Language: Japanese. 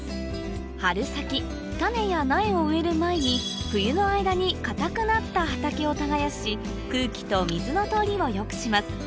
春先種や苗を植える前に冬の間に硬くなった畑を耕し空気と水の通りを良くします